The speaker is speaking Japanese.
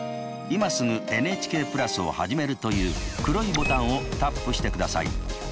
「今すぐＮＨＫプラスをはじめる」という黒いボタンをタップしてください。